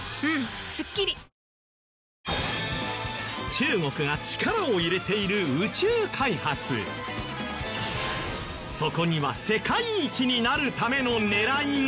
中国が力を入れているそこには世界一になるための狙いが！？